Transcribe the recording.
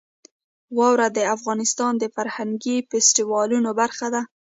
واوره د افغانستان د فرهنګي فستیوالونو برخه ده.